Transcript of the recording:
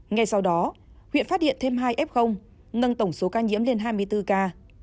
ngay sau đó huyện phát hiện thêm hai f nâng tổng số ca nhiễm lên hai mươi bốn ca